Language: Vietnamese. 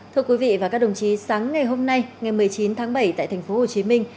thưa quý vị và các đồng chí sáng ngày hôm nay ngày một mươi chín tháng bảy tại thành phố hồ chí minh